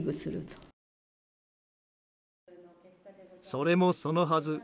それもそのはず。